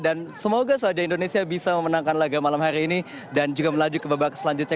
dan semoga saja indonesia bisa memenangkan laga malam hari ini dan juga melaju ke babak selanjutnya